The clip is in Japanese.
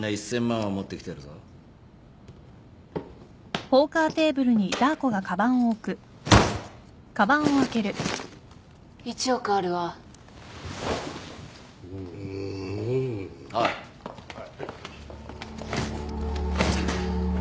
はい。